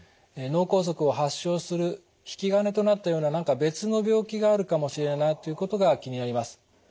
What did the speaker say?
脳梗塞を発症する引き金となったような何か別の病気があるかもしれないということが気になります。